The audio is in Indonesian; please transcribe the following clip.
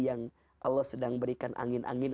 yang allah sedang berikan angin angin